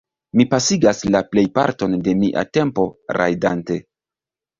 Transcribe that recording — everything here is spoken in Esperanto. Mi pasigas la plejparton de mia tempo rajdante.